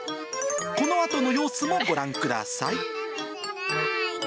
このあとの様子もご覧ください。